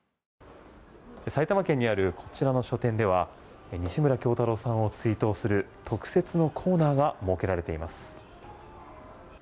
埼玉県にあるこちらの書店では西村京太郎さんを追悼する特設のコーナーが設けられています。